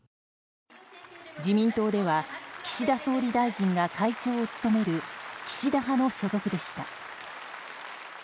自民党では岸田総理大臣が会長を務める岸田派の所属でした。